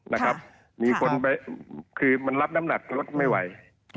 แล้วมีคนมันลับรถไม่ไหว